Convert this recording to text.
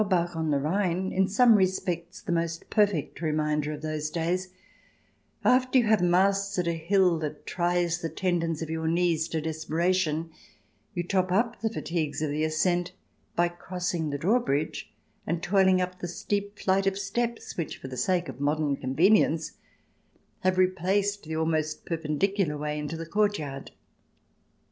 At Braubach on the Rhine, in some respects the most perfect reminder of those days, after you have mastered a hill that tries the tendons of your knees to desperation, you top up the fatigues of the ascent by crossing the drawbridge and toiling up the steep flight of steps which, for the sake of modern convenience, have replaced the almost perpendicular way into the courtyard.